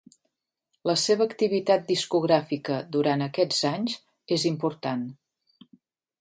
La seva activitat discogràfica durant aquests anys és important.